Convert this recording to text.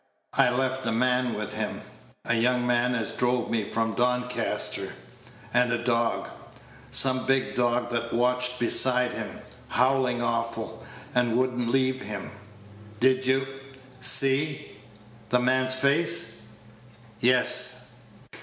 I left a man with him a young man as drove Page 126 me from Doncaster and a dog some big dog that watched beside him, howling awful, and would n't leave him." "Did you see the man's face?" "Yes."